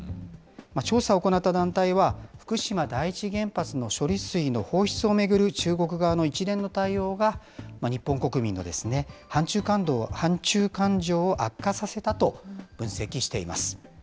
調査を行った団体は、福島第一原発の処理水の放出を巡る中国側の一連の対応が、日本国民の反中感情を悪化させたと分析しています。